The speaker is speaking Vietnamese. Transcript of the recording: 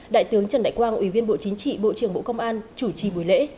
đại tướng trần đại quang ủy viên bộ chính trị bộ trưởng bộ công an chủ trì buổi lễ